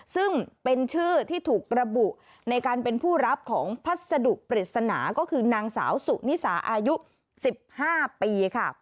ซึ่งเป็นชื่อที่ถูกระบุในการเป็นผู้รับของพัสดุปริศนาก็คือนางสาวสุนิสาอายุ๑๕ปีค่ะ